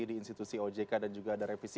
di institusi ojk dan juga ada revisi